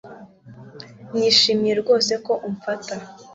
Nishimiye rwose ko umfata